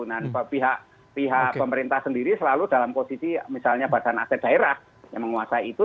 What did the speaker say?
nah pihak pemerintah sendiri selalu dalam posisi misalnya badan aset daerah yang menguasai itu